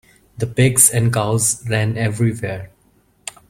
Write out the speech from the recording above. The pigs and cows ran everywhere.